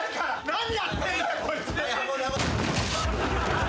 何やってんだよこいつ！